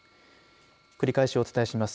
繰り返しお伝えします。